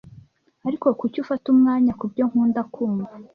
Ariko kuki ufata umwanya kubyo nkunda kumva?